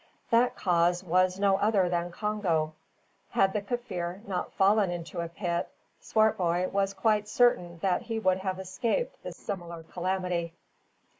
That cause was no other than Congo. Had the Kaffir not fallen into a pit, Swartboy was quite certain that he would have escaped the similar calamity.